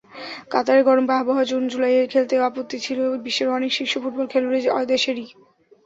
কাতারের গরম আবহাওয়ায় জুন-জুলাইয়ে খেলতে আপত্তি ছিল বিশ্বের অনেক শীর্ষ ফুটবল খেলুড়ে দেশেরই।